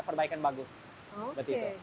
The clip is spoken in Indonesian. perbaikan bagus oke